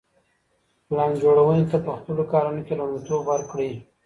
پلان جوړوني ته په خپلو کارونو کي لومړیتوب ورکړئ.